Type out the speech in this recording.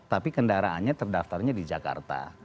tapi kendaraannya terdaftarnya di jakarta